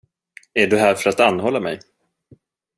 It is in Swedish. Är du här för att anhålla mig?